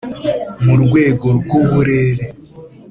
mu rwego rw’uburere,